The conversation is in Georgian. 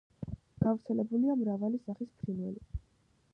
გავრცელებულია მრავალი სახის ფრინველი.